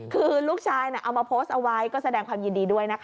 คือลูกชายเอามาโพสต์เอาไว้ก็แสดงความยินดีด้วยนะคะ